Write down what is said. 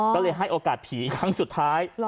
ก็เลยให้โอกาสผีครั้งสุดท้าย